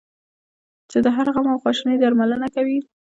چې د هر غم او خواشینی درملنه کوي.